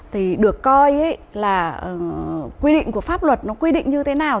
thì được coi là quy định của pháp luật nó quy định như thế nào